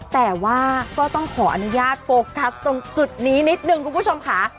แต่ว่าก็ต้องขออนุญาตโฟกัสตรงจุดนี้นิดนึงคุณผู้ชมค่ะ